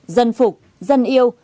dân phục dân yêu